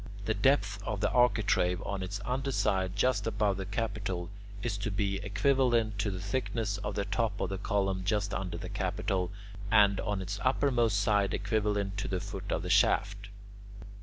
The depth of the architrave on its under side just above the capital, is to be equivalent to the thickness of the top of the column just under the capital, and on its uppermost side equivalent to the foot of the shaft.